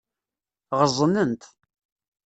Ɣeẓnent.